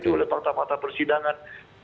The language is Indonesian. dari fakta fakta persidangan